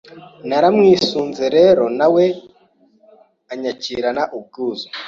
Naramwisunze rero na we anyakirana ubwuzu